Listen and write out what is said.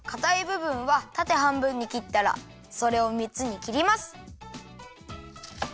ぶぶんはたてはんぶんにきったらそれをみっつにきります。